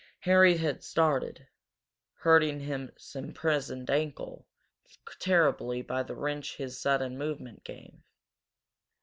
Harry started, hurting his imprisoned ankle terribly by the wrench his sudden movement gave.